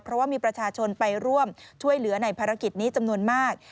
เพราะว่ามีประชาชนไปร่วมช่วยเหลือในภารกิจนี้จำนวนมาก